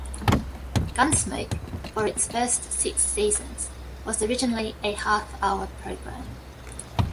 "Gunsmoke", for its first six seasons, was originally a half-hour program.